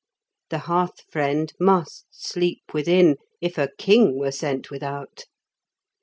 The hearth friend must sleep within, if a king were sent without.